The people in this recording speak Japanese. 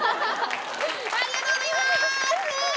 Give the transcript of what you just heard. ありがとうございます！